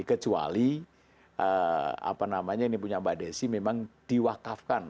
jadi kecuali apa namanya yang punya mbak desi memang diwakafkan